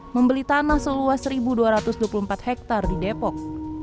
membeli tanah seluas satu dua ratus dua puluh empat hektare di depok